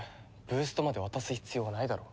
ブーストまで渡す必要はないだろ。